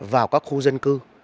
vào các khu dân cư